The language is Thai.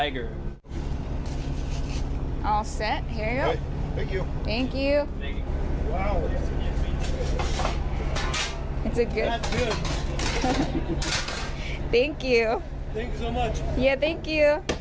ขอบคุณค่ะ